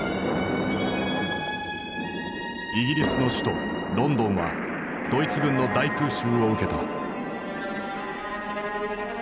イギリスの首都ロンドンはドイツ軍の大空襲を受けた。